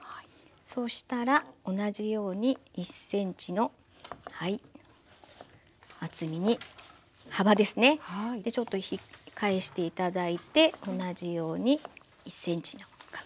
そしたら同じように１ｃｍのはい厚みに幅ですねでちょっと返して頂いて同じように１ｃｍの角切りにします。